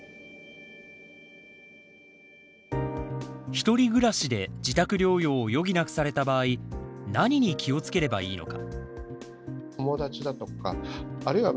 一人暮らしで自宅療養を余儀なくされた場合何に気をつければいいのか。